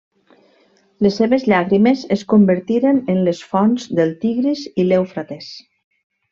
Les seves llàgrimes es convertiren en les fonts del Tigris i l'Eufrates.